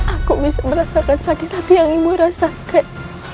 aku merasakan sakit hati yang ibu rasakan